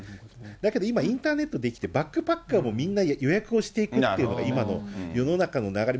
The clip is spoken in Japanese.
だけど今、インターネットでできて、バックパッカーもみんな予約をしていくっていうのが、今の世の中の流れ。